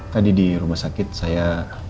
tadi di rumah sakit saya